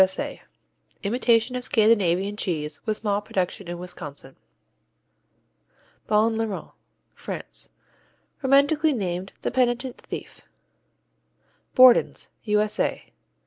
S.A._ Imitation of Scandinavian cheese, with small production in Wisconsin. Bon Larron France Romantically named "the penitent thief." Borden's _U.S.A.